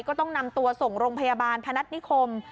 ก็ต้องนำตัวส่งโรงพยาบาลพนัฐนิคม